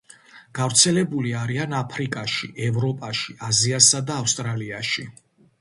გავრცელებული არიან აფრიკაში, ევროპაში, აზიასა და ავსტრალიაში.